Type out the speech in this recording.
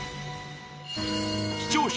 視聴者